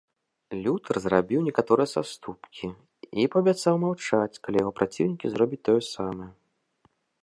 Лютэр зрабіў некаторыя саступкі й паабяцаў маўчаць, калі яго праціўнікі зробяць тое самае.